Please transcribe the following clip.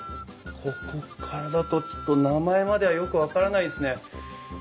ここからだとちょっと名前まではよく分からないですね。